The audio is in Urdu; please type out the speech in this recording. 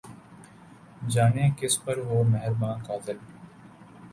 جانے کس پر ہو مہرباں قاتل